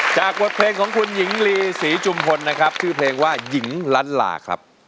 บทเพลงของคุณหญิงลีศรีจุมพลนะครับชื่อเพลงว่าหญิงล้านลาครับ